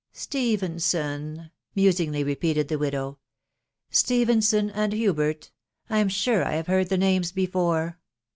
" Stephenson, .... musingly repeated tao widow*, — ft Stephenson and Hubert !.... I am sure I have beard the names before."